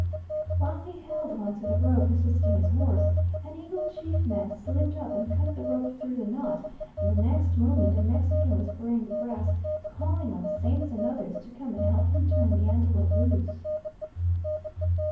While he held on to the rope assisting his horse, an Eagle Chief man slipped up and cut the rope through the knot, and the next moment a Mexican was burning the grass, calling on saints and others to come and help him turn the antelope loose.